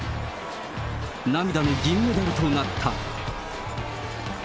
涙の銀メダルとなった。